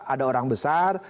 ada orang besar